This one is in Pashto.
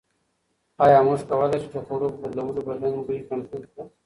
ایا موږ کولای شو د خوړو په بدلولو بدن بوی کنټرول کړو؟